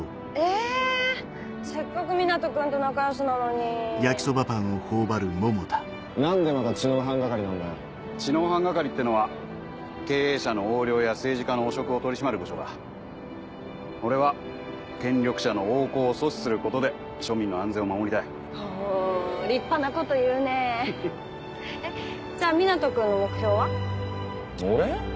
せっかく湊人君と仲良しなのに何でまた知能犯係なんだよ知能犯係ってのは経営者の横領や政治家の汚職を取り締まる部署だ俺は権力者の横行を阻止することで庶民の安全を守りたいほぉ立派なこと言うねえっじゃあ湊人君の目標は？